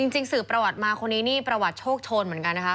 จริงสื่อประวัติมาคนนี้นี่ประวัติโชคโชนเหมือนกันนะคะ